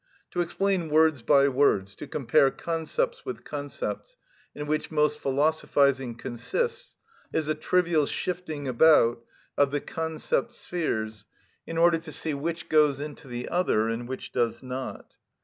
To explain words by words, to compare concepts with concepts, in which most philosophising consists, is a trivial shifting about of the concept spheres in order to see which goes into the other and which does not.